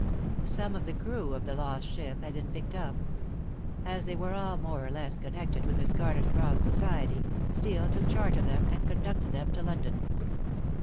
Some of the crew of the lost ship had been picked up. As they were all more or less connected with the Scarlet Cross Society, Steel took charge of them and conducted them to London.